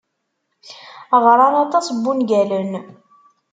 Ɣran aṭas n wungalen.